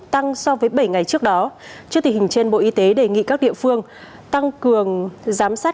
tăng so với bảy ngày trước đó trước tình hình trên bộ y tế đề nghị các địa phương tăng cường giám sát